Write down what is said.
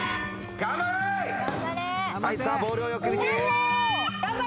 頑張れ。